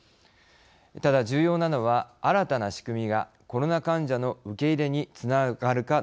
ただ重要なのは新たな仕組みがコロナ患者の受け入れにつながるかどうかです。